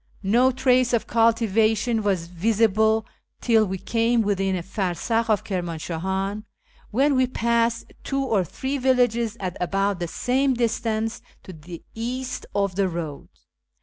No trace of cultivation was visible till we came within o^farsakh of Kirmanshahan, when we passed two or three villages at about the same distance to the east of the road.